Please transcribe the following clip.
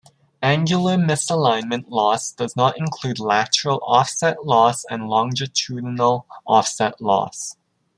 Angular misalignment loss does not include lateral offset loss and longitudinal offset loss.